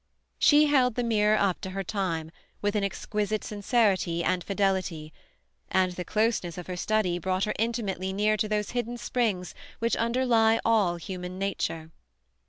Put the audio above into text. "She held the mirror up to her time" with an exquisite sincerity and fidelity; and the closeness of her study brought her intimately near to those hidden springs which underlie all human nature.